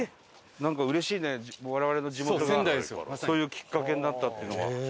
なんかうれしいね我々の地元がそういうきっかけになったっていうのは。